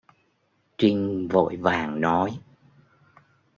Trinh vội vàng nói